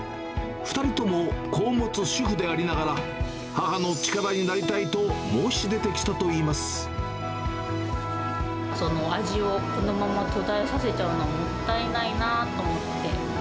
２人とも、子を持つ主婦でありながら、母の力になりたいと申し出てきた味をこのまま途絶えさせちゃうのはもったいないなと思って。